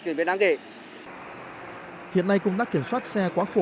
hiện nay cũng đã kiểm soát xe quá khổ